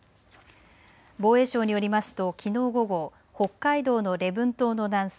防衛省によりますときのう午後、北海道の礼文島の南西